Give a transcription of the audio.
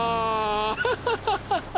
アハハハハ！